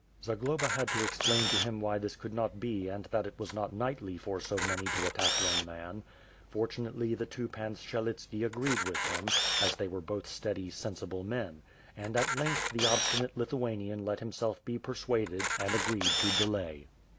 Zagloba had to explain to him why this could not be and that it was not knightly for so many to attack one man. For tunately the two Pans Syelitski agreed with him, as they were both steady, sensible men; and at length the obstinate Lith uanian let himself be persuaded and agreed to delay.